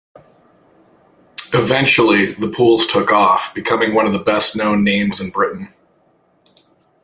Eventually the pools took off, becoming one of the best-known names in Britain.